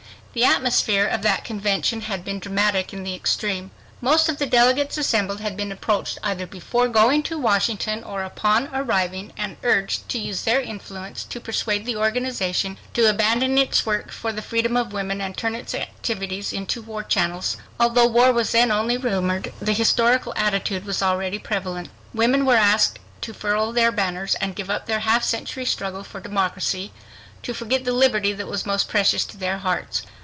The atmosphere of that convention had been dramatic in the extreme. Most of the delegates assembled had been approached either before going to Washington or upon arriving, and urged to use their influence to persuade the organization to abandon its work for the freedom of women and turn its activities into war channels. Although war was then only rumored, the hysterical attitude was already prevalent. Women were asked to furl their banners and give up their half century struggle for democracy, to forget the liberty that was most precious to their hearts.